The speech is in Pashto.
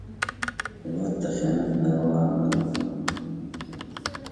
هېواد ته خیانت ناروا عمل دی